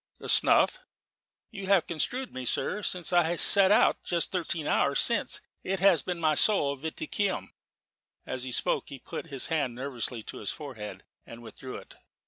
"The snuff?" "You have construed me, sir. Since I set out, just thirteen hours since, it has been my sole viaticum." As he spoke he put his hand nervously to his forehead, and withdrew it.